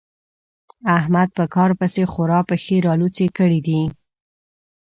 احمد په کار پسې خورا پښې رالوڅې کړې دي.